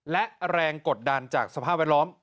และแรงกดดันจากสภาพแวดล้อม